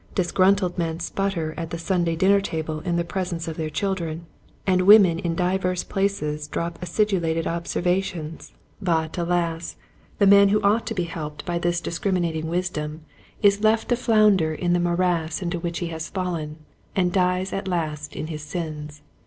Disgruntled men sputter at the Sunday dinner table in the presence of their chil dren, and women in divers places drop acidulated observations, but, alas, the man who ought to be helped by this dis A Mirror for Ministers. 1 1 criminating wisdom is left to flounder in the morass into which he has fallen, and dies at last in his sins.